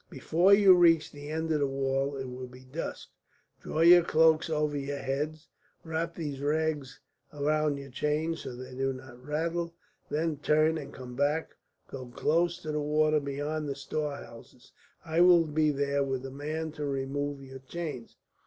Before you reach the end of the wall it will be dusk. Draw your cloaks over your heads, wrap these rags about your chains, so that they do not rattle. Then turn and come back, go close to the water beyond the storehouses. I will be there with a man to remove your chains.